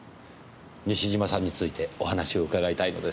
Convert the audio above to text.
西島さんについてお話を伺いたいのですが。